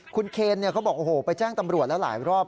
คุณเคนเขาบอกโอ้โหไปแจ้งตำรวจแล้วหลายรอบ